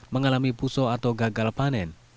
mengalami puso atau gagal panen